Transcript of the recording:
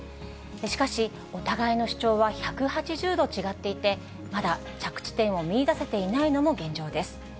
しかし、お互いの主張は１８０度違っていて、まだ着地点を見いだせていないのも現状です。